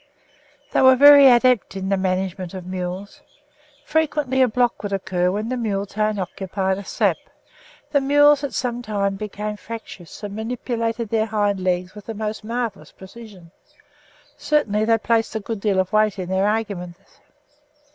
They were very adept in the management of mules. Frequently a block would occur while the mule train occupied a sap; the mules at times became fractious and manipulated their hind legs with the most marvellous precision certainly they placed a good deal of weight in their arguments.